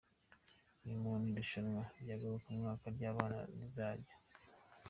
Ni mu irushanwa ngarukamwaka ry'abana rizajya.